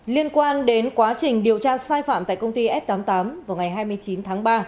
liên quan đến quá trình điều tra sai phạm tại công ty s tám mươi tám vào ngày hai mươi chín tháng ba